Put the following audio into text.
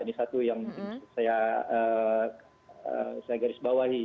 ini satu yang mungkin saya garis bawahi